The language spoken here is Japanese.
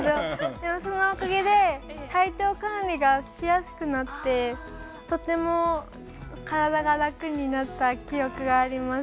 でも、そのおかげで体調管理がしやすくなってとても体が楽になった記憶があります。